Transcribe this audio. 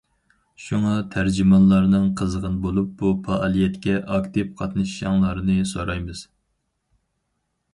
شۇڭا تەرجىمانلارنىڭ قىزغىن بولۇپ بۇ پائالىيەتكە ئاكتىپ قاتنىشىشىڭلارنى سورايمىز.